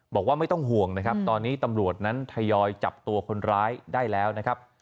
บอกว่าไม่ต้องห่วงนะครับตอนนี้ตำรวจนั้นทยอยจับตัวคนร้ายได้แล้วนะครับ